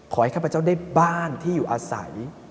ข้าพเจ้าได้บ้านที่อยู่อาศัย